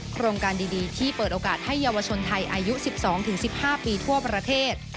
โครงการดีที่เปิดโอกาสให้เยาวชนไทยอายุ๑๒๑๕ปีทั่วประเทศ